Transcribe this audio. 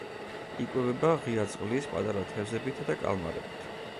იკვებება ღია წყლის პატარა თევზებითა და კალმარებით.